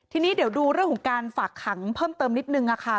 ทีนี้เดี๋ยวดูเรื่องของการฝากขังเพิ่มเติมนิดนึงค่ะ